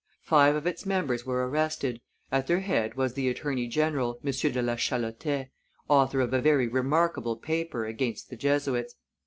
Five of its members were arrested; at their head was the attorney general, M. de la Chalotais, author of a very remarkable paper against the Jesuits.